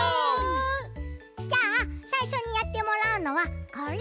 じゃあさいしょにやってもらうのはこれ！